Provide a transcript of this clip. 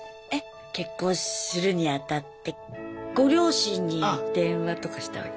結婚するにあたってご両親に電話とかしたわけ？